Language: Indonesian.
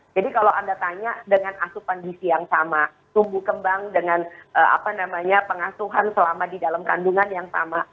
jadi kalau anda tanya dengan asupan di siang sama tunggu kembang dengan pengasuhan selama di dalam kandungan yang sama